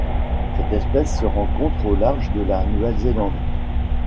Cette espèce se rencontre au large de la Nouvelle-Zélande.